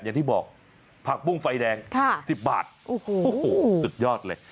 อย่างที่บอกผักบุ้งไฟแดง๑๐บาทโอ้โหสุดยอดเลย